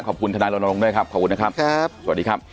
ทนายรณรงค์ด้วยครับขอบคุณนะครับครับสวัสดีครับ